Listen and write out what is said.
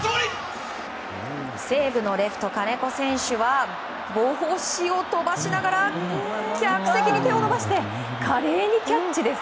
西武のレフト、金子選手は帽子を飛ばしながら客席に手を伸ばして華麗にキャッチです。